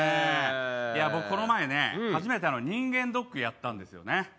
僕この前ね初めて人間ドックやったんですよね。